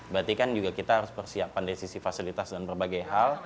berarti kan juga kita harus persiapkan dari sisi fasilitas dan berbagai hal